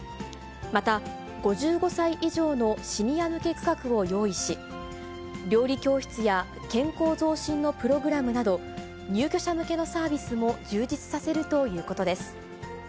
また、５５歳以上のシニア向け区画を用意し、料理教室や健康増進のプログラムなど、入居者向けのサービスも充実させるということです。